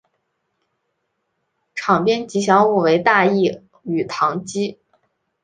场边吉祥物为大义与唐基。